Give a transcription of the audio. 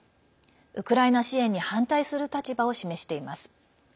ウクライナ支援に反対する立場を示しています。